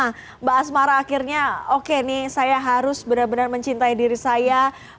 nah mbak asmara akhirnya oke nih saya harus benar benar mencintai diri saya